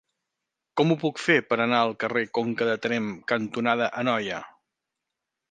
Com ho puc fer per anar al carrer Conca de Tremp cantonada Anoia?